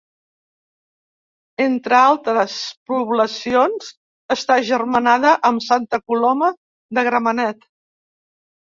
Entre altres poblacions, està agermanada amb Santa Coloma de Gramenet.